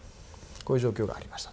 こういう状況がありました。